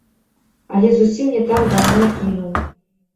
Але зусім не так даўно кінуў.